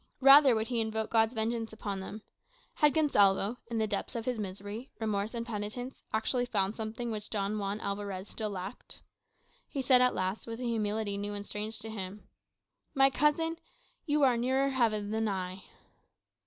Rather would he invoke God's vengeance upon them. Had Gonsalvo, in the depths of his misery, remorse, and penitence, actually found something which Don Juan Alvarez still lacked? He said at last, with a humility new and strange to him, "My cousin, you are nearer heaven than I."